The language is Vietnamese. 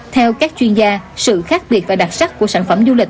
theo các chuyên gia sự khác biệt và đặc sắc của sản phẩm du lịch